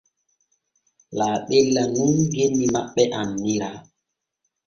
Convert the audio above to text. Laaɓella nun genni maɓɓe annira.